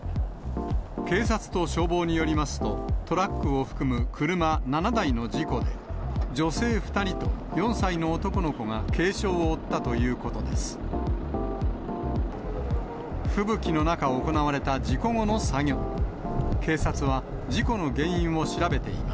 警察と消防によりますと、トラックを含む車７台の事故で、女性２人と４歳の男の子が軽傷を負ったということです。